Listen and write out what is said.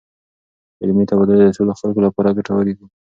علمي تبادلې د ټولو خلکو لپاره ګټورې دي.